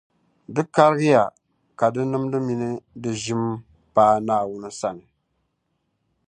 Di kariya ka di nimdi mini di ʒima paai Naawuni sani.